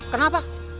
kenapa ada l imperi